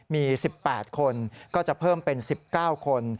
มี๑๘คนก็จะเพิ่มเป็น๑๙คน